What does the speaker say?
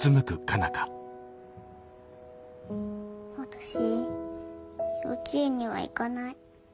私幼稚園には行かない。